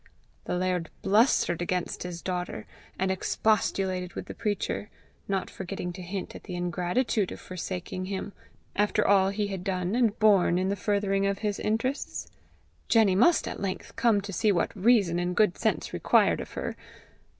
The laird blustered against his daughter, and expostulated with the preacher, not forgetting to hint at the ingratitude of forsaking him, after all he had done and borne in the furthering of his interests: Jenny must at length come to see what reason and good sense required of her!